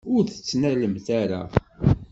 Ur t-tettnalem ara.